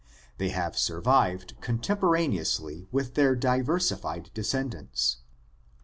They have survived contemporaneously with their diversified descendants.